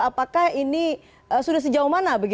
apakah ini sudah sejauh mana